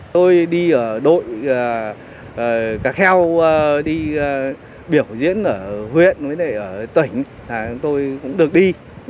tôi đi ở đội cả kheo đi biểu diễn ở huyện với tỉnh tôi cũng được đi